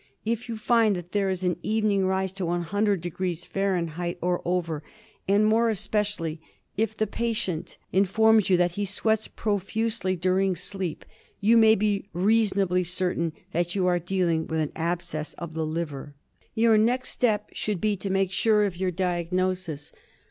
If you find that there is an evening rise to 101° or over, and more especially if the patient ABSCESS OF THE LIVER. I77 informs you that he sweats profusely during sleep, you may be reasonably certain that you are dealing with an abscess of the liver. Your next step should be to make sure of your diagnosis.